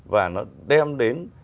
và nó đem đến